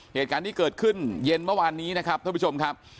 เหตุการณ์ที่เกิดขึ้นเย็นเมื่อวานนี้นะครับท่านผู้ชมครับ